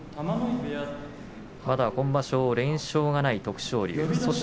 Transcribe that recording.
今場所は連勝がない徳勝龍です。